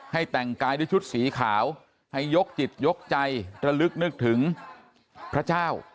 แต่งกายด้วยชุดสีขาวให้ยกจิตยกใจระลึกนึกถึงพระเจ้า